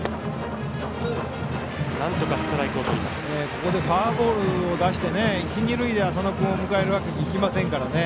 ここでフォアボールを出して一塁二塁で浅野君を迎えるわけにはいきませんからね。